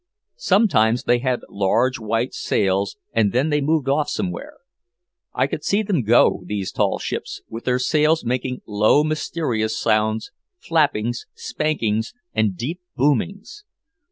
Sometimes they had large white sails and then they moved off somewhere. I could see them go, these tall ships, with their sails making low, mysterious sounds, flappings, spankings and deep boomings.